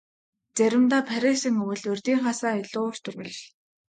Заримдаа Парисын өвөл урьдынхаас илүү урт үргэлжилнэ.